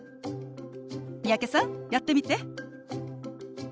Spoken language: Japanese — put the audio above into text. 三宅さんやってみて。